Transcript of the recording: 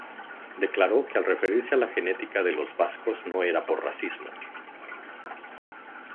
declaró que al referirse a la genética de los vascos no era por racismo